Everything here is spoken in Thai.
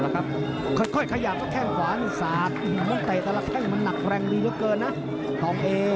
ข้อยขยับต้นแข้งขวานิสัตว์มันต่ำแต่ละแข้งมันนักแรงดีเยอะเกินนะทองเอ